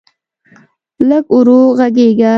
لږ ورو غږېږه.